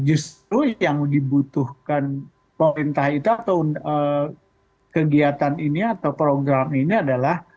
justru yang dibutuhkan pemerintah itu atau kegiatan ini atau program ini adalah